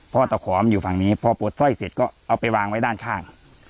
ตะขอมันอยู่ฝั่งนี้พอปวดสร้อยเสร็จก็เอาไปวางไว้ด้านข้าง